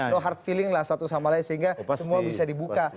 no hard feeling lah satu sama lain sehingga semua bisa dibuka